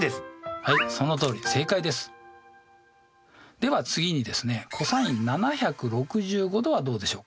では次にですねｃｏｓ７６５°はどうでしょう？